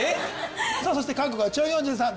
さぁそして韓国のチョン・ヨンジュンさん